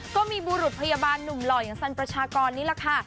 ก็มีบุรุษพยาบาลหนุ่มหล่ออย่างสันประชากรนี่แหละค่ะ